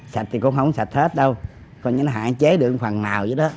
sạch thì cũng không sạch hết đâu còn nếu nó hạn chế được khoảng nào vậy đó